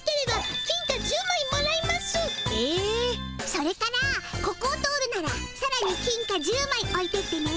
それからここを通るならさらに金貨１０まいおいてってね。